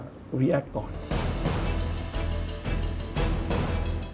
เตรียมแรงจาแห่งเทพศาสตร์